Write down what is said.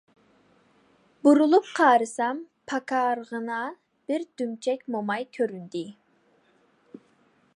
بۇرۇلۇپ قارىسام، پاكارغىنا بىر دۈمچەك موماي كۆرۈندى.